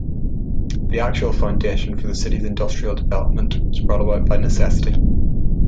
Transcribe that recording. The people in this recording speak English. The actual foundation for the city's industrial development was brought about by necessity.